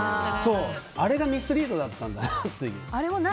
あれがミスリードだったんだなって。